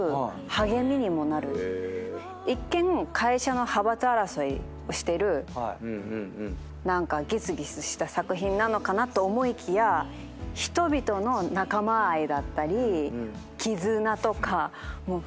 一見会社の派閥争いをしてる何かぎすぎすした作品なのかなと思いきや人々の仲間愛だったり絆とか。